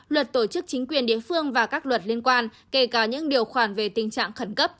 luật tổ chức chính quyền địa phương và các luật liên quan kể cả những điều khoản về tình trạng khẩn cấp